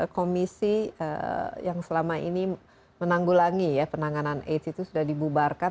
komisi yang selama ini menanggulangi ya penanganan aids itu sudah dibubarkan